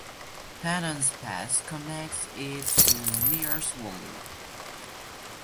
Penance Pass connects it to Miers Valley.